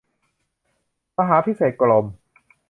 มหาภิเนษกรมณ์